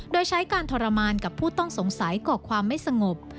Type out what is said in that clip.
โดยใช้การทรมานกับผู้ต้องสงสัยก่อความไม่สงบ